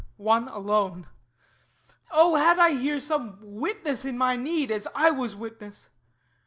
one alone O had I here some witness in my need, As I was witness!